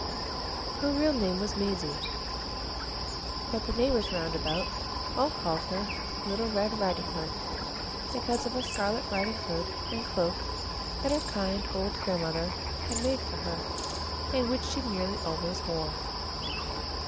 Her real name was Maisie; but the neighbors round about all called her "Little Red Riding Hood," because of a scarlet riding hood and cloak that her kind old grandmother had made for her, and which she nearly always wore.